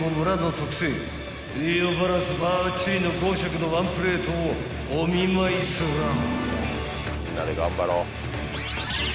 特製栄養バランスばっちりの５色のワンプレートをお見舞いすらぁ］